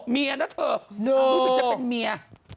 เมียนะเธอรู้สึกจะเป็นเมีย